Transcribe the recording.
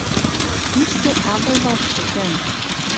Тиштӹ агыл важшы, тӓнг.